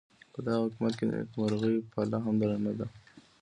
پدغه حکومت کې د نیکمرغۍ پله هم درنده ده.